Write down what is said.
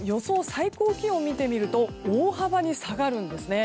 最高気温を見てみると大幅に下がるんです。